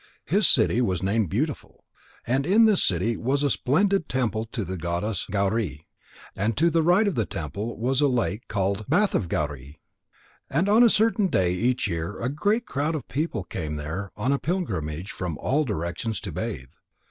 His city was named Beautiful. And in this city was a splendid temple to the goddess Gauri. And to the right of the temple was a lake called Bath of Gauri. And on a certain day in each year a great crowd of people came there on a pilgrimage from all directions to bathe.